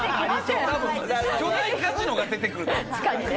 巨大カジノがでてくると思う。